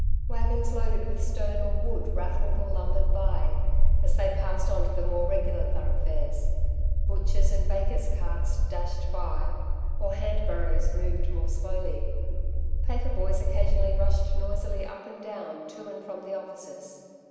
Waggons loaded witli stone or wood rattled or lumbered by, as they passed on to the more regular thoroughfares; butchers' and bakers' carts dashed by, or hand barrows moved more slowly. Paper boys occa sionally rushed noisily up and down to and from the offices.